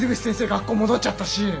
学校戻っちゃったし。